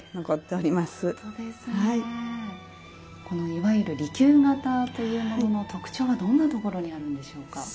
このいわゆる利休形というものの特徴はどんなところにあるんでしょうか？